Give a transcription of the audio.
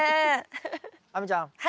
亜美ちゃん。